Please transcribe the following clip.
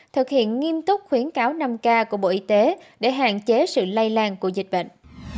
thực hiện nghiêm túc khuyến cáo năm k của bộ y tế để hạn chế sự lây lan của dịch bệnh